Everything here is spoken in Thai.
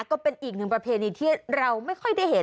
ก็เป็นอีกหนึ่งประเพณีที่เราไม่ค่อยได้เห็น